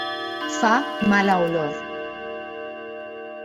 Fa mala olor.